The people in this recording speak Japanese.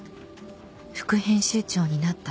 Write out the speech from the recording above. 副編集長になったら